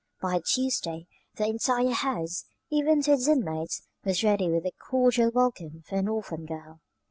By Tuesday the entire house, even to its inmates, was ready with a cordial welcome for the orphan girl.